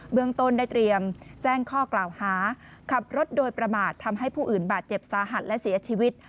เมืองต้นได้เตรียมแจ้งข้อกล่าวหาขับรถโดยประมาททำให้ผู้อื่นบาดเจ็บสาหัสและเสียชีวิต